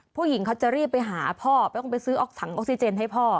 ผู้หญิงเขาจะรีบไปหาพ่อไม่ต้องไปซื้อออกถังออกซิเจนให้พ่อ